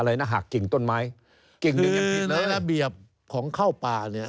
อะไรนะหากกิ่งต้นไม้กิ่งหนึ่งยังผิดเลย